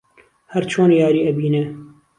هەر چۆن یاری ئەبینێ